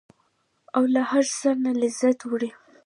او له هر څه نه لذت وړي.